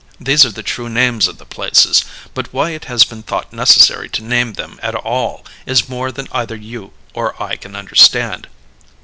These are the true names of the places; but why it has been thought necessary to name them at all is more than either you or I can understand.